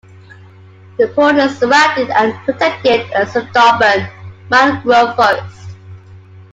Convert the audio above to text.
The Port is surrounded and protected by the Sundarban mangrove forest.